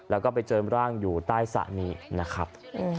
แล้วก็ไปเจอร่างอยู่ใต้สระนี้นะครับ